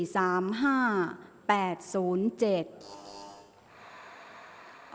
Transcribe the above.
ออกรางวัลที่๖เลขที่๗